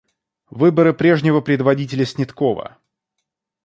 Выборы прежнего предводителя Снеткова.